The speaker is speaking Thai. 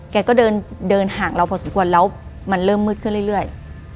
แกก็เดินห่างเราพอสมควรแล้วมันเริ่มมืดขึ้นเรื่อย